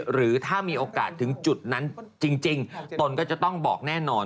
หรือถ้ามีโอกาสถึงจุดนั้นจริงตนก็จะต้องบอกแน่นอน